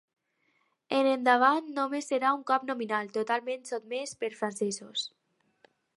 En endavant només serà un cap nominal, totalment sotmès pels francesos.